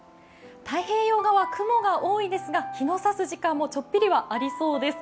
太平洋側、雲が多いですが、日のさす時間もちょっぴりはありそうです。